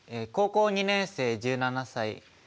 高校２年生１７歳。